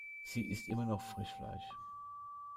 Sie ist immer noch Frischfleisch.